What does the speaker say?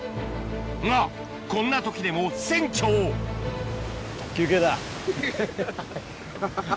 がこんな時でも船長ハハハハ。